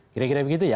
kira kira begitu ya